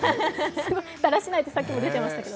だらしないってさっきも出てましたけど。